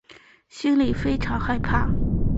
心里非常害怕